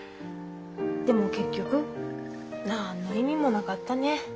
でも結局何の意味もなかったね。